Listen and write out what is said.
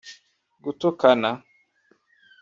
gutukana